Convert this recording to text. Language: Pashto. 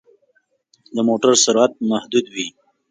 د موټر سرعت محدود وي.